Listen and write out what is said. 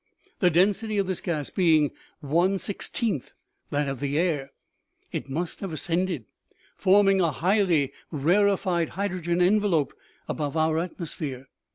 The density of this gas being one six teenth that of the air, it must have ascended, forming a highly rarified hydrogen envelope above our atmosphere.